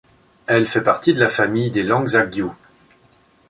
Elle fait partie de la famille des langues agew.